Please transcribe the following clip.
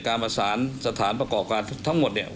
การประสานสถานประกอบการทั้งหมดเนี่ย